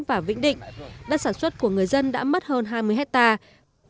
và vĩnh định đất sản xuất của người dân đã mất hơn hai mươi hectare